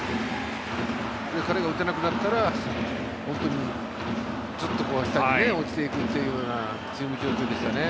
彼が打たなくなったら本当にずっと下に落ちていくというようなチーム状況でしたね。